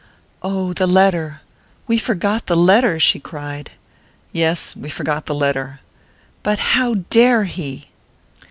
"Oh, the letter we forgot the letter!" she cried. "Yes we forgot the letter." "But how dare he